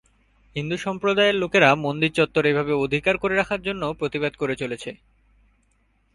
হিন্দু সম্প্রদায়ের লোকেরা মন্দির চত্বর এভাবে অধিকার করে রাখার জন্য প্রতিবাদ করে চলেছে।